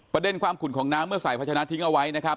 ประเด็นความขุนของน้ำเมื่อสายพัชนะทิ้งเอาไว้นะครับ